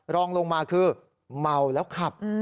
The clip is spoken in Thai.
รองลงมาคือเมาแล้วขับ